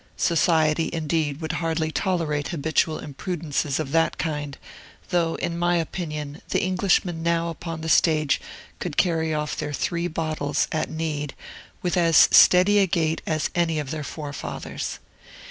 Society, indeed, would hardly tolerate habitual imprudences of that kind, though, in my opinion, the Englishmen now upon the stage could carry off their three bottles, at need, with as steady a gait as any of their forefathers.